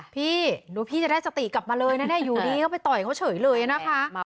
พี่หนูพี่จะได้สติกลับมาเลยนะเนี่ยอยู่ดีก็ไปต่อยเขาเฉยเลยนะคะ